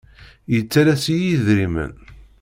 Yettalas-iyi idrimen.